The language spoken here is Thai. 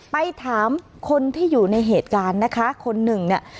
ไปถามคนที่อยู่ในเหตุการณ์นะคะคนหนึ่งเนี่ย